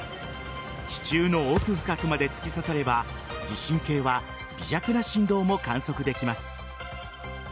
地中の奥深くまで突き刺されば地震計は微弱な振動も観測できます。